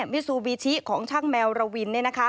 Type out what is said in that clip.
มิซูบิชิของช่างแมวระวิน